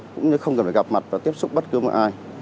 cũng như không cần phải gặp mặt và tiếp xúc bất cứ một ai